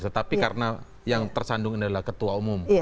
tetapi karena yang tersandung adalah ketua umum